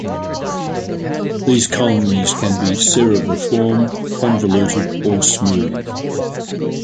These colonies can be cerebriform, convoluted, or smooth.